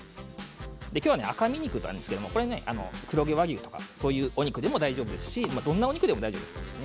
今日は赤身肉なんですけれども黒毛和牛とかそういうお肉でも大丈夫ですしどんなお肉でも大丈夫です。